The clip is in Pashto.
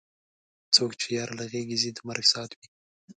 څوک چې یار له غېږې ځي د مرګ ساعت وي.